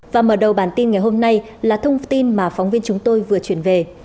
và mở đầu bản tin ngày hôm nay là thông tin mà phóng viên chúng tôi vừa chuyển về